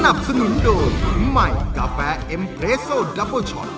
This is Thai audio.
สนุนโดยใหม่กาแฟเอ็มเรสโซนดับเบอร์ช็อต